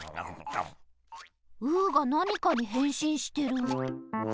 うーがなにかにへんしんしてる。